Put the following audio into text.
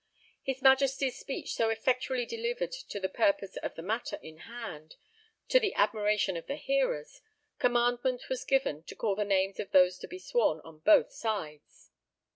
His Majesty's speech so effectually delivered to the purpose of the matter in hand to the admiration of the hearers, commandment was given to call the names of those to be sworn on both sides.